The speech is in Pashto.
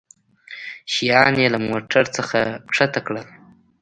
شيان يې له موټرڅخه کښته کړل.